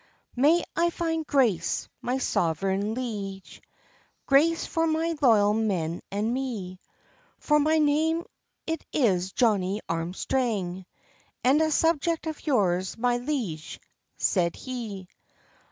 "May I find grace, my sovereign liege, Grace for my loyal men and me? For my name it is Johnnie Armstrang, And a subject of yours, my liege," said he.